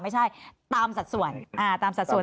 ไม่ใช่ตามสัดส่วนตามสัดส่วน